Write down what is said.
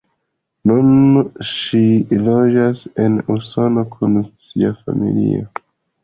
Nun ŝi loĝas en Usono kun sia familio.